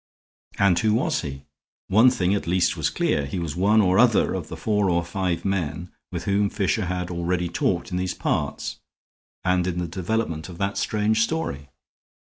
And who was he? One thing at least was clear. He was one or other of the four or five men with whom Fisher had already talked in these parts, and in the development of that strange story.